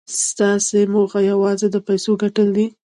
ستاسې موخه یوازې د پیسو ګټل دي